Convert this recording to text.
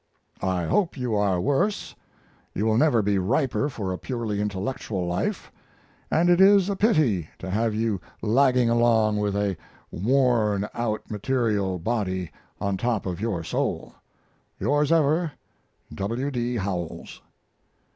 I hope you are worse. You will never be riper for a purely intellectual life, and it is a pity to have you lagging along with a worn out material body on top of your soul. Yours ever, W. D. HOWELLS.